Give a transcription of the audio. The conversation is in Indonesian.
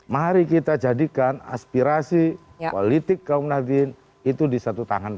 mari kita jadikan aspirasi politik kaum nadine itu di satu tangan